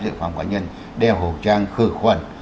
dự phạm cá nhân đeo hộ trang khử khuẩn